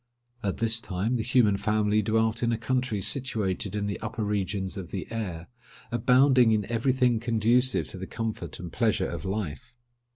At this time the human family dwelt in a country situated in the upper regions of the air, abounding in every thing conducive to the comfort and pleasure of life.